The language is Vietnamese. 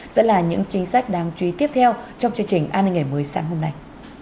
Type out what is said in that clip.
sẽ là những chính sách đáng chú ý tiếp theo trong chương trình an ninh ngày mới sáng hôm nay